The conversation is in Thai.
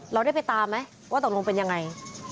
เราได้ไปตามไหมว่าตกลงเป็นยังไง